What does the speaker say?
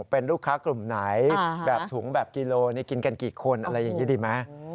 เป็นลูกค้ากลุ่มไหนแบบถุงแบบกิโลกินกันกี่คนอะไรอย่างนี้ดีไหม